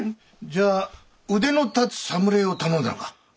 じゃあ腕の立つ侍を頼んだのか？